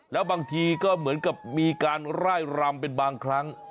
แล้วบางทีก็เหมือนกับมีการไล่รำเป็นบางครั้ง